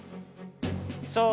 そう！